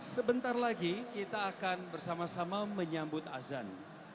sebentar lagi kita akan bersama sama menyambut azan